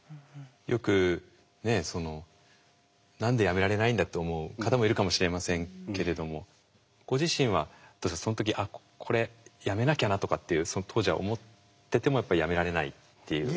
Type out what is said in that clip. よくねその何でやめられないんだって思う方もいるかもしれませんけれどもご自身はその時あっこれやめなきゃなとかっていうその当時は思っててもやっぱりやめられないっていう。